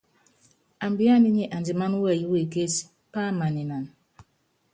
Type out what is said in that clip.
Ambíaná nyi andimáná wɛyí wekétí, pámaninan.